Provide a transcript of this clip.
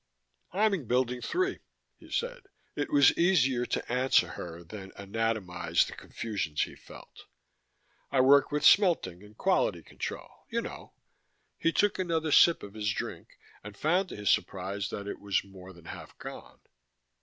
"I'm in Building Three," he said: it was easier to answer her than anatomize the confusions he felt. "I work with smelting and quality control you know." He took another sip of his drink, and found to his surprise that it was more than half gone.